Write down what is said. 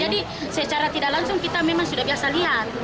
jadi secara tidak langsung kita memang sudah biasa lihat